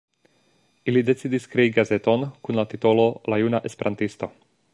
Ili decidis krei gazeton kun la titolo La juna esperantisto.